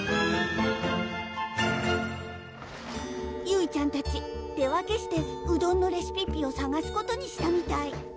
ゆいちゃんたち手分けしてうどんのレシピッピをさがすことにしたみたい